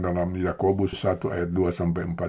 dalam yakobus satu ayat dua sampai empat